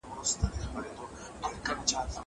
دوی دي د مخکنيو خلکو انجام وويني.